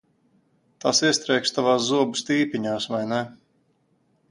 Tās iestrēgs tavās zobu stīpiņās, vai ne?